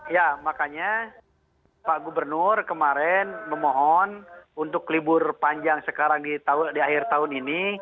ya makanya pak gubernur kemarin memohon untuk libur panjang sekarang di akhir tahun ini